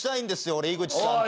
俺井口さんと。